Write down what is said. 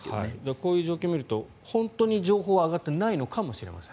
こういう状況を見ると本当に情報が上がっていないのかもしれません。